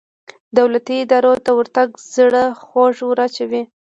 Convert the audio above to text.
دولتي ادارو ته ورتګ زړه خوږ وراچوي.